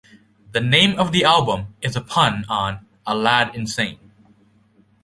The name of the album is a pun on "A Lad Insane".